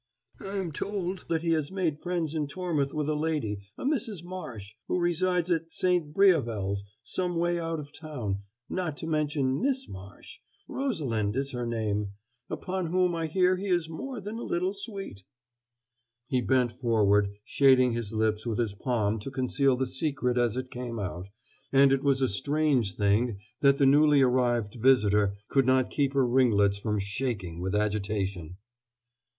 "I am told that he has made friends in Tormouth with a lady a Mrs. Marsh who resides at 'St. Briavels' some way out of town not to mention Miss Marsh Rosalind is her name upon whom I hear he is more than a little sweet." He bent forward, shading his lips with his palm to conceal the secret as it came out, and it was a strange thing that the newly arrived visitor could not keep her ringlets from shaking with agitation.